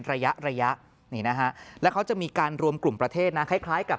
ระยะระยะนี่นะฮะแล้วเขาจะมีการรวมกลุ่มประเทศนะคล้ายกับ